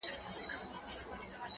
د همدې شپې په سهار کي يې ويده کړم؛